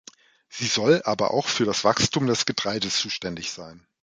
Sie soll aber auch für das Wachstum des Getreides zuständig sein.